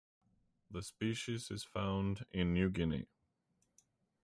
The species is found in New Guinea.